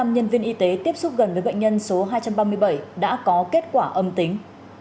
một mươi nhân viên y tế tiếp xúc gần với bệnh nhân số hai trăm ba mươi bảy đã có kết quả âm tính